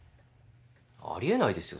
ありえないですよ